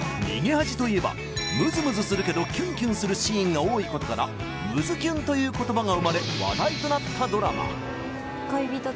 「逃げ恥」といえばムズムズするけどキュンキュンするシーンが多いことからムズキュンという言葉が生まれ話題となったドラマ恋人